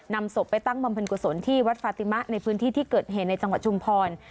นำศพไปตั้งบำเพ็ญกุศลที่วัดฟาติมะในพื้นที่ที่เกิดเหตุในจังหวัดชุมพร